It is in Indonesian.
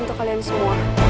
untuk kalian semua